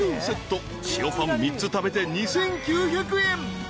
［塩パン３つ食べて２，９００円］